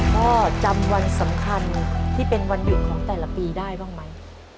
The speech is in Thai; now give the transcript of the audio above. พ่อจำวันสำคัญที่เป็นวันหยุดของแต่ละปีได้บ้างไหม